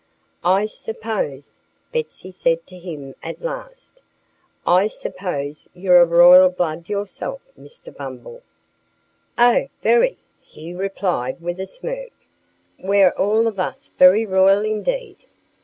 "I suppose " Betsy said to him at last "I suppose you're of royal blood yourself, Mr. Bumble?" "Oh, very!" he replied with a smirk. "We're all of us very royal indeed."